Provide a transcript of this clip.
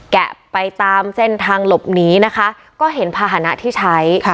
แกะไปตามเส้นทางหลบหนีนะคะก็เห็นภาษณะที่ใช้